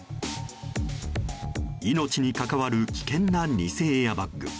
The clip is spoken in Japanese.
命に関わる危険な偽エアバッグ。